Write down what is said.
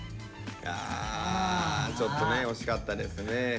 あちょっとね惜しかったですね。